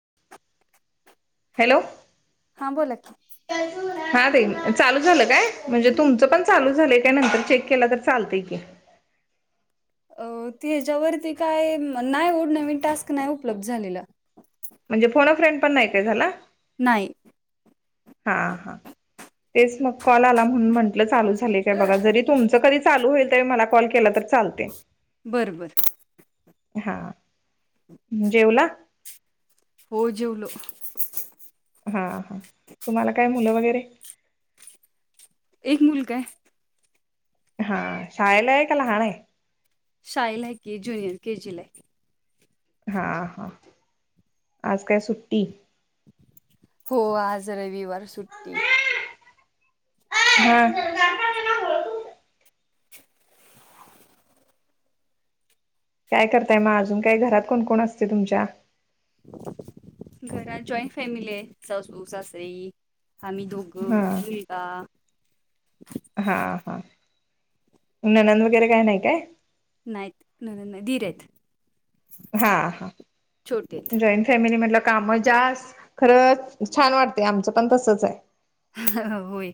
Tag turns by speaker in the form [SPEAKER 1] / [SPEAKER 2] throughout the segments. [SPEAKER 1] [unintelligible]
[SPEAKER 2] Hello
[SPEAKER 1] हां बोला की
[SPEAKER 2] कॅन्सल झाला हा ताई चालू झालं काय म्हणजे तुमचं पण चालू झालंय काय नंतर चेक केला तर चालतेय की
[SPEAKER 1] अ तेज्याच्यावरती काय नाय ओ नवीन टास्क नाय उपलब्ध झालेल
[SPEAKER 2] म्हणजे फोन फ्रेंड पण नाय काय झाला.
[SPEAKER 1] नाही.
[SPEAKER 2] हा हा तेच म कॉल आला म्हणून म्हंटलं चालू झालय काय बघा जरी तुमच कधी चालू होईल त्यावेळी मला कॉल केला तर चालते.
[SPEAKER 1] बरं बर
[SPEAKER 2] हा जेवला
[SPEAKER 1] हो जेवलो.
[SPEAKER 2] हा हा तुम्हाला काय मुलं वगैरे
[SPEAKER 1] एक मुलगा आहे.
[SPEAKER 2] हा शाळेला आहे की लहान आहे.
[SPEAKER 1] शाळेला आहे की जुनियर के जी ला हाय.
[SPEAKER 2] हां हा आज काय सुट्टी
[SPEAKER 1] हो आज रविवार सुट्टी
[SPEAKER 2] हा
[SPEAKER 1] [unintelligible]
[SPEAKER 2] काय करताय मग? अजून काय? घरात कोण कोण असते तुमच्या?
[SPEAKER 1] घरात जॉईंन फॅमिली आहे. सासू सासरे, आम्ही दोघ
[SPEAKER 2] हा
[SPEAKER 1] [unintelligible]
[SPEAKER 2] हा हा ननंद वगैरे काय नाही काय?
[SPEAKER 1] नाहीत ननंद नाहीत दिर आहेत.
[SPEAKER 2] हा हा.
[SPEAKER 1] छोटे
[SPEAKER 2] जॉईंन फॅमिली म्हटल्यावर काम जास्त खरंच छान वाटते. आमचं पण तसच आहे.
[SPEAKER 1] होय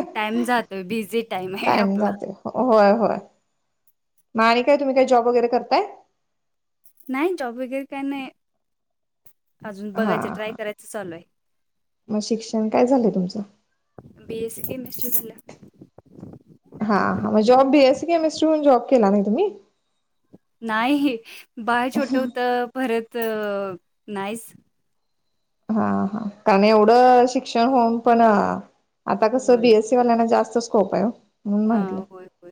[SPEAKER 1] टाइम जातोय. बिझी टाइम आहे आपला.
[SPEAKER 2] होय होय. मग आणि काय तुम्ही काय जॉब वगैरे करताय?
[SPEAKER 1] नाही. जॉब वगैरे काय नाही. अजून
[SPEAKER 2] हा
[SPEAKER 1] बघायचं ट्राय
[SPEAKER 2] हा
[SPEAKER 1] करायचं चालू आहे.
[SPEAKER 2] मग शिक्षण काय झालंय तुमचं?
[SPEAKER 1] बी ए सी केमिस्ट्री झालं.
[SPEAKER 2] हा हां, मग job B S C chemistry म्हणून जॉब केला ना तुम्ही?
[SPEAKER 1] नाही. बाळ छोट होत. परत नाहीच.
[SPEAKER 2] हा हा कारण एवढं शिक्षण होऊन पण आता कस बी
[SPEAKER 1] होय.
[SPEAKER 2] ए सी वाल्याना जास्त स्कोप आहे हो. म्हणून
[SPEAKER 1] हा.
[SPEAKER 2] म्हंटलं
[SPEAKER 1] होय होय.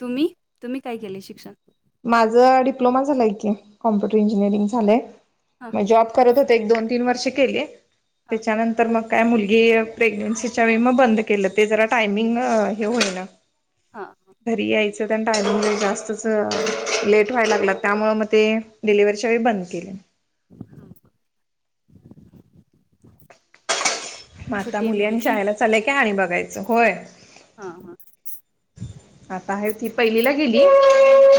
[SPEAKER 1] तुम्ही तुम्ही काय केले शिक्षण?
[SPEAKER 2] माझं डिप्लोमा झालंय की, कॉम्प्युटर इंजिनिअरिंग झालंय.
[SPEAKER 1] हां,
[SPEAKER 2] मग जॉब करत होते एक दोन तीन वर्ष केली.
[SPEAKER 1] हां,
[SPEAKER 2] त्याच्यानंतर मग, काय मुलगी प्रेग्नेन्सीच्या वेळी मग बंद केलं. ते जरा टायमिंग हे होईना
[SPEAKER 1] हा.
[SPEAKER 2] घरी यायचं तेन टायमिंग लय जास्तच लेट व्हायला लागला. त्यामुळं मग ते डिलिवरीच्या वेळी बंद केले.
[SPEAKER 1] हम [unintelligible]
[SPEAKER 2] मग आता मुली आणि शाळेला चालल्या की मग आणि बघायचं होय.
[SPEAKER 1] हां हां,
[SPEAKER 2] आता आहे. ती पहिलीला गेली.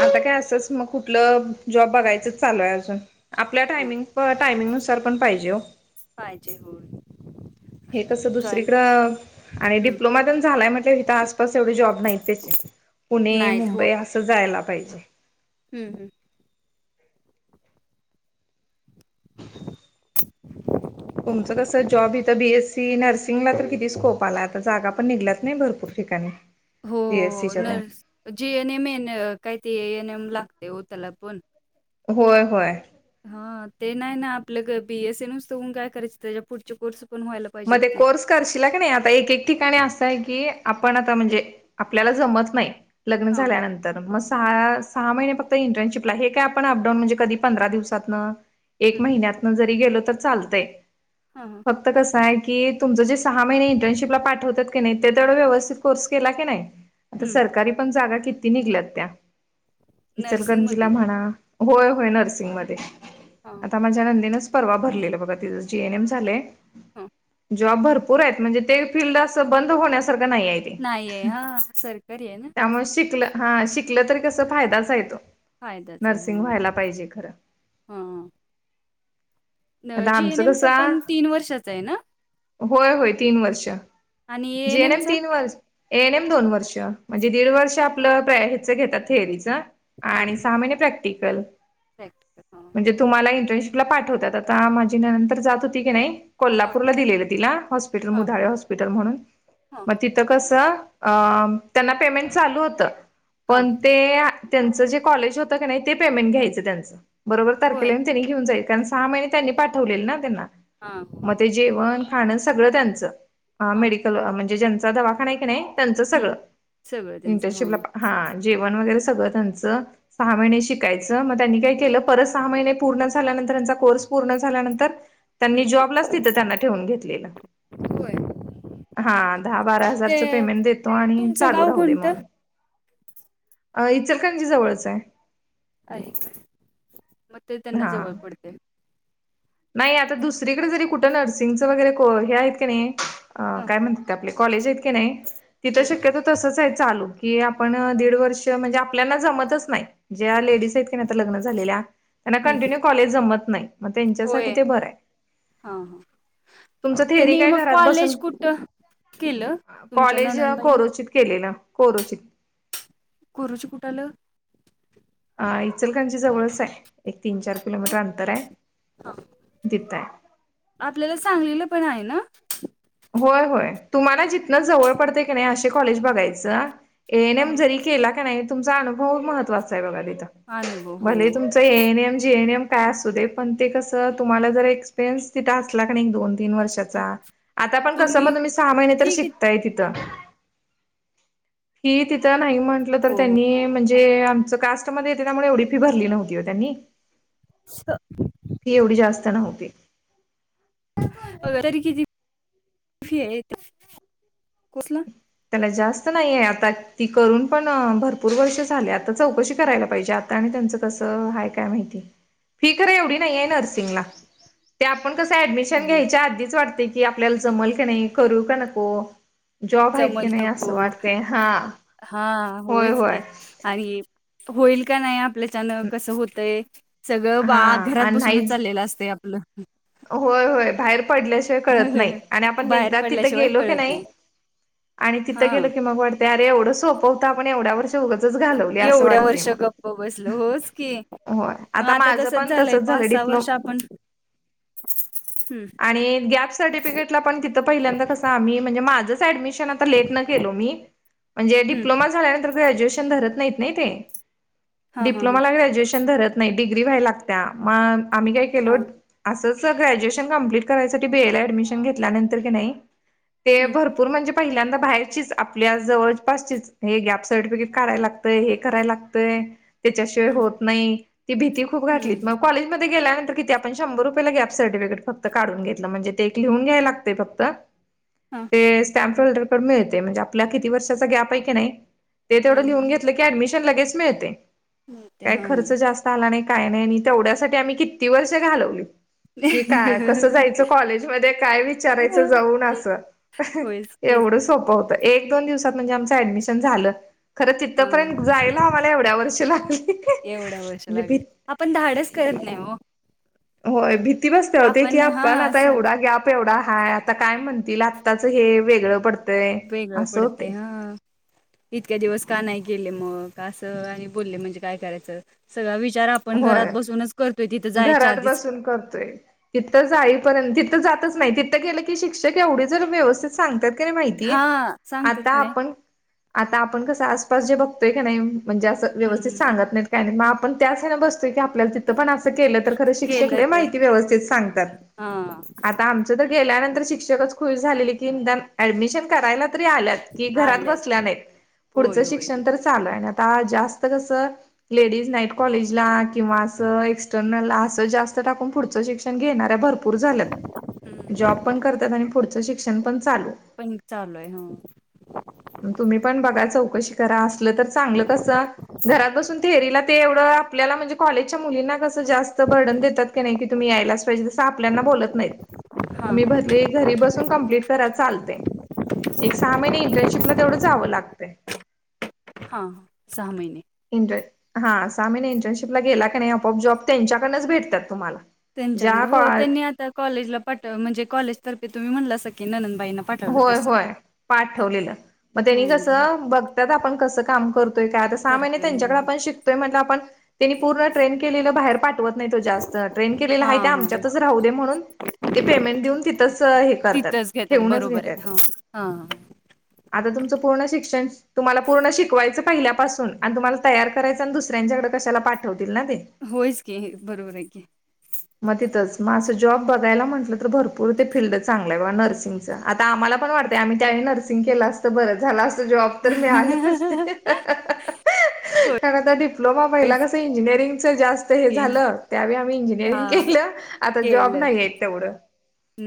[SPEAKER 1] हां,
[SPEAKER 2] काय असच. मग कुठलं जॉब बघायचच चालूय अजून आपल्या
[SPEAKER 1] हां.
[SPEAKER 2] टायमिंग ब टायमिंगनुसार पण पाहिजे ओ.
[SPEAKER 1] पाहिजे होय.
[SPEAKER 2] हे कसं
[SPEAKER 1] जॉइन
[SPEAKER 2] दुसरीकडं आणि
[SPEAKER 1] हं.
[SPEAKER 2] डिप्लोमा तेन झालाय म्हटल्यावर इथं आसपास एवढे जॉब नाहीत त्याचे पुणे,
[SPEAKER 1] नाहीत
[SPEAKER 2] मुंबई असं जायला पाहिजे.
[SPEAKER 1] हम् हम्
[SPEAKER 2] तुमचं कसं जॉब इथं बी एस सी, नर्सिंगला तर किती स्कोप आलाय आता जागा पण निघल्यात नाही. भरपूर ठिकाणी बी एस सी च्या तेन.
[SPEAKER 1] जी एन एम, एन काय ते ए एन एम लागते हो त्याला पण
[SPEAKER 2] होय होय.
[SPEAKER 1] हा ते नाही ना. आपल्या ग बी एस सी नुसत होऊन काय करायचं. त्याच्या पुढचे कोर्स पण व्हायला पाहिजेत
[SPEAKER 2] मगं ते
[SPEAKER 1] की.
[SPEAKER 2] कोर्स करशीला की नाही आता एक एक ठिकाणी असं आहे की आपण आता म्हणजे आपल्याला जमत नाही. लग्न
[SPEAKER 1] हां,
[SPEAKER 2] झाल्यानंतर तर मग सहा सहा महिने फक्त इंटर्नशिपला हे काय आपण अपडाऊन म्हणजे कधी पंधरा दिवसातन एक
[SPEAKER 1] हं.
[SPEAKER 2] महिन्यातन जरी गेलो तर चालतंय.
[SPEAKER 1] हा हां.
[SPEAKER 2] फक्त कस कस आहे की तुमचं जे सहा महिने इंटर्नशिपला पाठवतात. की नाही ते तेवढ व्यवस्थित कोर्स केला की नाही. आता
[SPEAKER 1] हं.
[SPEAKER 2] सरकारी पण जागा किती निघल्यात त्या इचलकरंजीला
[SPEAKER 1] नर्सिंगमध्ये.
[SPEAKER 2] म्हणा. होय होय नर्सिंगमध्ये.
[SPEAKER 1] हा.
[SPEAKER 2] आता माझ्या नंदेनच परवा भरलेलं बघा तिचं जी एन एम झालंय.
[SPEAKER 1] हा.
[SPEAKER 2] जॉब भरपूर आहेत म्हणजे ते फिल्ड असं बंद होण्यासारखं नाही आहे.
[SPEAKER 1] नाहीये.
[SPEAKER 2] ते
[SPEAKER 1] हां, सरकारी आहे ना?
[SPEAKER 2] त्यामुळे शिकलं हा शिकलं तरी कस फायदाच आहे तो. नर्सिंग व्हायला पाहिजे खरं.
[SPEAKER 1] हा.
[SPEAKER 2] आता
[SPEAKER 1] जी एन
[SPEAKER 2] आमचं
[SPEAKER 1] एम च
[SPEAKER 2] कसं
[SPEAKER 1] पण तीन वर्षाच आहे ना?
[SPEAKER 2] होय होय तीन वर्ष,
[SPEAKER 1] आणि
[SPEAKER 2] जी एन एम
[SPEAKER 1] ए-एन-एमचा?
[SPEAKER 2] तीन वर्ष ए एन एम दोन वर्ष, म्हणजे दीड वर्ष आपलं प्र हेच घेतात थेअरीच. आणि सहा महिने प्रॅक्टिकल.
[SPEAKER 1] करेक्ट.
[SPEAKER 2] म्हणजे तुम्हाला इंटर्नशिपला पाठवतात, आता माझी ननंद तर जात होती की नाही
[SPEAKER 1] हां,
[SPEAKER 2] कोल्हापूरला दिलेलं तिला हॉस्पिटल
[SPEAKER 1] हां,
[SPEAKER 2] मुधाळे हॉस्पिटल म्हणून
[SPEAKER 1] हां,
[SPEAKER 2] मग ती थ कसं त्यांना पेमेंट चालू होत
[SPEAKER 1] हां.
[SPEAKER 2] पण ते त्यांच जे कॉलेज होतं की नाही ते पेमेंट घ्यायचं त्यांचं बरोबर
[SPEAKER 1] होय.
[SPEAKER 2] तारखेला येऊन त्यांनी घेऊन जायच कारण सहा महिने त्यांनी पाठवलेलं ना त्यांना.
[SPEAKER 1] हा.
[SPEAKER 2] मग ते जेवण खाणं सगळं त्यांचं, हा
[SPEAKER 1] हां,
[SPEAKER 2] मेडिकल म्हणजे ज्यांचा दवाखाना आहे की नाही त्यांचं
[SPEAKER 1] हं.
[SPEAKER 2] सगळं
[SPEAKER 1] सगळं त्यांचं.
[SPEAKER 2] इंटर्नशिपला
[SPEAKER 1] हां,
[SPEAKER 2] हा जेवण वगैरे सगळं त्यांच. सहा महिने शिकायचं मग त्यांनी काय केलं परत सहा महिने पूर्ण झाल्यानंतर त्यांचा कोर्स पूर्ण झाल्यानंतर त्यांनी
[SPEAKER 1] हं.
[SPEAKER 2] जॉबलाच तिथं त्यांना ठेवून घेतलेलं.
[SPEAKER 1] होय.
[SPEAKER 2] हा दहा बारा
[SPEAKER 1] ते
[SPEAKER 2] हजारचं पेमेंट देतो आणि
[SPEAKER 1] तुमचं
[SPEAKER 2] चालू
[SPEAKER 1] गाव
[SPEAKER 2] राहू दे
[SPEAKER 1] कोणतं?
[SPEAKER 2] म्हणून. अ इचलकरंजी जवळचं आहे.
[SPEAKER 1] ऐ काय मग ते त्यांना
[SPEAKER 2] हा
[SPEAKER 1] जवळ पडतंय.
[SPEAKER 2] नाही आता दुसरीकडे जरी कुठं नर्सिंगचं वगैरे को हे आहेत का नाही
[SPEAKER 1] हां,
[SPEAKER 2] काय म्हणतात ते आपले कॉलेज आहेत का नाही तिथं
[SPEAKER 1] हं,
[SPEAKER 2] शक्यतो तसच आहे चालू की आपण दीड वर्ष म्हणजे आपल्याला जमतच नाही. ज्या लेडीज आहेत की नाही आता लग्न झालेल्या त्यांना
[SPEAKER 1] हं.
[SPEAKER 2] कंटिन्यू कॉलेज जमत नाही. मग
[SPEAKER 1] होय.
[SPEAKER 2] त्यांच्यासाठी ते बर हाय,
[SPEAKER 1] हां, हां.
[SPEAKER 2] तुमच थेरी
[SPEAKER 1] त्यांनी
[SPEAKER 2] काय
[SPEAKER 1] मग
[SPEAKER 2] घरात
[SPEAKER 1] कॉलेज
[SPEAKER 2] बसून
[SPEAKER 1] कुठं केलं? तुमच्या
[SPEAKER 2] कॉलेज
[SPEAKER 1] नणंदबाईंनी?
[SPEAKER 2] कोरोचित केलेलं कोरोचित.
[SPEAKER 1] कोरूची कुठं आल?
[SPEAKER 2] अ इचलकांजी जवळच आहे एक तीन चार किलोमीटर अंतर आहे. तिथं हाय.
[SPEAKER 1] आपल्याला सांगलीला पण आहे ना.
[SPEAKER 2] होय होय. तुम्हाला जितन जवळ पडते क नाही असे कॉलेज बघायचं.
[SPEAKER 1] हा
[SPEAKER 2] एनएम जरी केला का नाही तुमचा अनुभव महत्त्वाचा आहे बघा तिथं.
[SPEAKER 1] हा अनुभव हो
[SPEAKER 2] भले तुमच A N M, G N M काय असू दे पण ते कसं तुम्हाला जर एक्सपिरियनस तिथं असला कनी एक दोन तीन वर्ष त्याचा. आता पण कसं मग तुम्ही सहा महिने तर
[SPEAKER 1] ठीक आहे
[SPEAKER 2] शिकताय तिथं हि तिथ त नाही म्हंटलं तर
[SPEAKER 1] हो
[SPEAKER 2] त्यांनी म्हणजे आमच कास्टमध्ये येते त्यामुळे एवढी फी भरली नव्हती ओ त्यांनी.
[SPEAKER 1] [inaudible]
[SPEAKER 2] फी एवढी जास्त नव्हती.
[SPEAKER 1] तरी किती फी आहे कोर्सला?
[SPEAKER 2] त्याना जास्त नाहीय आता ती करून पण भरपूर वर्ष झाले आता चौकशी करायला पाहिजे आता. आणि त्यांचं कसं हाय काय माहिती. फी खरं एवढी नाही आहे नर्सिंगला ते आपण कसं ऍडमिशन घ्यायच्या आधीच वाटतंय की आपल्याला जमल काय नाही, करू का नको जॉब आहे.
[SPEAKER 1] जमल हा
[SPEAKER 2] होय
[SPEAKER 1] होयच
[SPEAKER 2] होय
[SPEAKER 1] की. आणि होईल का नाही आपल्याच्यानं कसं होतय. सगळं बा
[SPEAKER 2] हा
[SPEAKER 1] घरात
[SPEAKER 2] आणि
[SPEAKER 1] बसूनच
[SPEAKER 2] नाही
[SPEAKER 1] चाललेलं असत आपलं.
[SPEAKER 2] होय होय. बाहेर पडल्या कळत नाही. आणि आपण
[SPEAKER 1] बाहेर
[SPEAKER 2] एकदा तिथ
[SPEAKER 1] पडल्याशिवाय
[SPEAKER 2] गेलो की
[SPEAKER 1] कळत
[SPEAKER 2] नाही. आणि तिथ
[SPEAKER 1] हा
[SPEAKER 2] गेलो की मग अरे एवढं सोप होत आपण एवढ्या वर्ष उगच घालवली असं
[SPEAKER 1] एवढ्या
[SPEAKER 2] वाटतंय
[SPEAKER 1] वर्ष
[SPEAKER 2] मग.
[SPEAKER 1] गप्प बसलो होच की
[SPEAKER 2] होय. आता माझं पण तसच झालं डिप्लोम
[SPEAKER 1] हं.
[SPEAKER 2] आणि गॅप सर्टिफिकेटला पण तिथं पहिल्यांदा कसं आम्ही म्हणजे माझंच ऍडमिशन लेटन केलो मी. म्हणजे
[SPEAKER 1] हम्म
[SPEAKER 2] डिप्लोमा झाल्यानंतर ग्रज्युएशन धरत नाहीत नाही ते.
[SPEAKER 1] हा हा हा
[SPEAKER 2] डिप्लोमाला ग्रॅज्युएशन धरत नाही डिग्री व्हायला लागत्या. मग आम्ही काय
[SPEAKER 1] हा
[SPEAKER 2] केलो असंच सर ग्रॅज्युएशन कंप्लीट करायसाठी बीए ला ऍडमिशन घेतल्यानंतर क नाही. ते
[SPEAKER 1] हम्म
[SPEAKER 2] भरपूर म्हणजे पहिल्यांदा बाहेरचीच आप आपल्या जवळपासची हे गॅप सर्टिफिकेट काढाय लागतय. हे कराय लागतय. त्याच्याशिवाय
[SPEAKER 1] हम्म
[SPEAKER 2] होत नाही. ती भीती खूप घाातलीत
[SPEAKER 1] हम्म
[SPEAKER 2] मग कॉलेजमध्ये गेल्यानंतर किती आपण शंभर रुपयला ग्या सर्टिफिकेट फक्त काडून घेतलं म्हणजे ते एक लिहून घ्यायला लागतंय फक्त.
[SPEAKER 1] हा
[SPEAKER 2] ते स्ट्या मिळतंय म्हणजे आपला किती वर्षाचा गॅप आहे क नाही, ते तेवढं लिहून
[SPEAKER 1] हा
[SPEAKER 2] घेतलं अडमिशन लगेच मिळतय.
[SPEAKER 1] ते
[SPEAKER 2] काय
[SPEAKER 1] हा
[SPEAKER 2] खर्च जास्त आला नाही काय नाही, नी तेवढ्यासाठी आम्ही किती वर्ष घालवली. कि काय कसं
[SPEAKER 1] होयच
[SPEAKER 2] जायचं कॉलेजमध्ये, काय विचारायच जाऊन, असं.
[SPEAKER 1] की
[SPEAKER 2] एवढं सोपं होतं एक दोन दिवसात म्हणजे आमचं ऍडमिशन झालं. खरं तिथंपर्यंत
[SPEAKER 1] हां.
[SPEAKER 2] जायला आम्हाला एवढ्या वर्षी लागली.
[SPEAKER 1] एवढ्या वर्ष
[SPEAKER 2] म्हणजे भी
[SPEAKER 1] लागली. आपण धाडस करत नाही हो.
[SPEAKER 2] होय भीती बसत होती, की आपण
[SPEAKER 1] हां
[SPEAKER 2] आता
[SPEAKER 1] असं
[SPEAKER 2] एवढा ग्याप तेवढा हाय आता काय म्हणतील आत्ताच हे वेगळं पड
[SPEAKER 1] वेगळं पडतय हा. इतक्या दिवस का नाही गेले मग असं आणि बोलले म्हणजे काय करायचं. सगळा विचार आपण घरात
[SPEAKER 2] होय.
[SPEAKER 1] बसूनच करतोय तिथं जायच्या
[SPEAKER 2] घरात
[SPEAKER 1] आधीच.
[SPEAKER 2] बसून करतोय. तिथं जाईपर्यंत तिथं जातच नाही तिथं गेलं की शिक्षक एवढी जर व्यवस्थित सांगतात क नाही माहिती,
[SPEAKER 1] हां सांगतात
[SPEAKER 2] आता
[SPEAKER 1] की नाही.
[SPEAKER 2] आपण आता आपण कसं आसपास जे बघतोय का नाही म्हणजे असं
[SPEAKER 1] हम्म
[SPEAKER 2] व्यवस्थित
[SPEAKER 1] हम्म
[SPEAKER 2] सांगत नाहीत काय नाही मग आपण त्याच हेन बसतो आपल्या तिथं पण असं केल तर खर शिक्षक
[SPEAKER 1] केलं
[SPEAKER 2] लई
[SPEAKER 1] तर
[SPEAKER 2] माहिती व्यवस्थित सांगतात.
[SPEAKER 1] हां
[SPEAKER 2] आता आ तिथं गेल्यानंतर शिक्षकच खुश झालेले की निदान ऍडमिशन करायला त्या आल्यात की घरात
[SPEAKER 1] आल्यात.
[SPEAKER 2] बसल्या नाहीत पुढचं
[SPEAKER 1] होय होय.
[SPEAKER 2] शिक्षण तर चालू आहे, जास्त कस लेडीज नाहीत. कॉलेज ला किंवा असं एक्सटर्नल ला असं जास्त टाकून पुढचं शिक्षण घेणार भरपूर झाल्यात
[SPEAKER 1] हम्म.
[SPEAKER 2] जॉब पण करतात आणि पुढच शिक्षण पण चालू.
[SPEAKER 1] पण चालू आहे ह.
[SPEAKER 2] तुम्ही पण बघा चौकशी करा असल तर चांगलं कसं. घरात बसून थेरीला ते एवढं आपल्याला म्हणजे कॉलेजच्या मुलींना कसं जास्त बर्डन देतात क नाही, कि तुम्ही यायलाच पाहिजे आपल्याना बोलत नाहीत. मी
[SPEAKER 1] हां
[SPEAKER 2] भरली घरी बसून कंप्लिट. रा चालतय. एक सहा महिने इंटर्नशिपला तेवढं जावं लागतय.
[SPEAKER 1] हां सहा महिने.
[SPEAKER 2] इंट हा सहा महिने इंटर्नशिपला गेला की नाही आपोआप जॉब त्यांच्याकडनच भेटतात तुम्हाला.
[SPEAKER 1] त्यांच्याकंड
[SPEAKER 2] ज्या कॉ
[SPEAKER 1] हो. त्यांनी आता कॉलेजला पाठव म्हणजे कॉलेजतर्फे तुम्ही म्हणलासकी ननंदबाईना
[SPEAKER 2] होय होय पाठवलेलं. मग त्यांनी
[SPEAKER 1] हम्म
[SPEAKER 2] कसं बघतात आपण कसं काम करत काय आता सहा महिने
[SPEAKER 1] करतोय
[SPEAKER 2] त्यांच्याकडे
[SPEAKER 1] हो.
[SPEAKER 2] आपण शिकतोय म्हटल आपण त्यांनी पूर्ण ट्रेन केलेलं बाहेर पा वत नाही तो जास्त ट्रेन केलेला
[SPEAKER 1] हा
[SPEAKER 2] आहे ते
[SPEAKER 1] हा
[SPEAKER 2] आमच्यातच राहू दे म्हणून ते पेमेंट देऊन तिथंच हे करत्यात.
[SPEAKER 1] तिथंच घेतात
[SPEAKER 2] ठेवूनच
[SPEAKER 1] बरोबर
[SPEAKER 2] घेतात.
[SPEAKER 1] आहे. हा. हा
[SPEAKER 2] आता तुमचं पूर्ण शिक्षण तुम्हाला पूर्ण शिकवायचं पहिल्यापासून आणि तुम्हाला तयार करायचं आणि दुसऱ्यांच्याकडे कशाला पाठवतील ना ते.
[SPEAKER 1] होयच की. बरोबर आहे की.
[SPEAKER 2] मग तिथंच. मग अस जॉब बघायला म्हटल तर भरपूर ते फील्ड चांगलय बा नर्सिंग आता आम्हाला पण वाटत. आम्ही त्यावेळी नर्सिंग केल असत बर झाल असत. जॉब तर मिळाले असते. कारण आता डिप्लोमा पहिला
[SPEAKER 1] होयच
[SPEAKER 2] कसं इंजिनिअरिंगच जास्त हे
[SPEAKER 1] की
[SPEAKER 2] झालं‌ त्यावेळी आम्ही
[SPEAKER 1] हा
[SPEAKER 2] इंजिनिअरिंग केलं. आता जॉब
[SPEAKER 1] केलं
[SPEAKER 2] नाही तेवढ.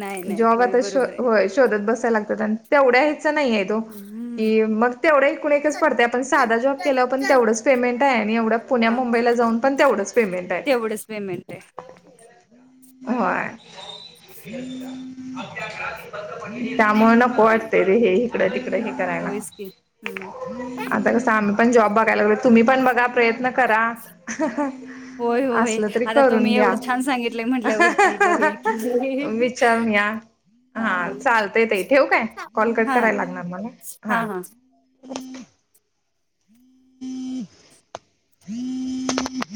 [SPEAKER 1] नाही नाही
[SPEAKER 2] जॉब
[SPEAKER 1] होय
[SPEAKER 2] आता शो
[SPEAKER 1] बरोबर आहे.
[SPEAKER 2] व्हय शोधात बसाय लागतात. आणि तेवढ्या याच्या नाही आहेत.
[SPEAKER 1] हम्म
[SPEAKER 2] कि मग तेवढं एकूण एकच
[SPEAKER 1] चल
[SPEAKER 2] पडत. आपण
[SPEAKER 1] चल
[SPEAKER 2] साधा जॉब
[SPEAKER 1] चल
[SPEAKER 2] केला पण
[SPEAKER 1] चल
[SPEAKER 2] तेवढच पेमेंट आहे. आणि एवढं पुण्या
[SPEAKER 1] हा
[SPEAKER 2] मुंबईला जाऊन पण तेवढंच पेमेंट आहे.
[SPEAKER 1] तेवढंच पेमेंट आहे.
[SPEAKER 2] व्हय त्यामुळे नको वाटतय रे. हे इकड तिकड हे करायला.
[SPEAKER 1] होयच की हम्म.
[SPEAKER 2] आता कसं आम्ही पण जॉब बघायला लागलो. तुम्ही पण बघा प्रयत्न करा
[SPEAKER 1] होय होय
[SPEAKER 2] असलं तरी
[SPEAKER 1] आता तुम्ही
[SPEAKER 2] करून घ्या.
[SPEAKER 1] एवढं छान सांगितलंय म्हटल्यावरती बघूया की
[SPEAKER 2] विचारून या. हा चालतय ताई. ठेवु काय.
[SPEAKER 1] हां
[SPEAKER 2] कॉल कट करायला
[SPEAKER 1] चालेल
[SPEAKER 2] लागणार मला‌.
[SPEAKER 1] हां
[SPEAKER 2] हा.
[SPEAKER 1] हां
[SPEAKER 2] [inaudible]